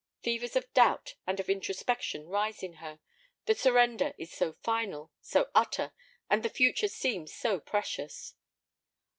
Fevers of doubt and of introspection rise in her. The surrender is so final, so utter, and the future seems so precious.